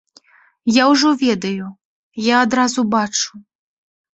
Я ўжо ведаю, я адразу бачу.